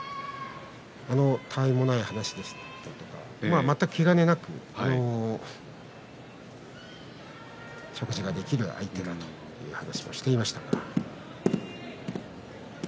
たあいもない話ですとか気兼ねなく食事ができる相手だという話をしていました。